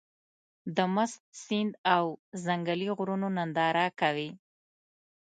د مست سيند او ځنګلي غرونو ننداره کوې.